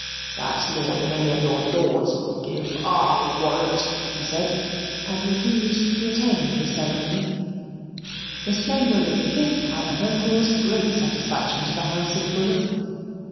"That's more than any of your Lords will give, I'LL warrant," he said and refused to attend at the ceremony. The splendour of the gift, however, caused great satisfaction to the house of Bullock.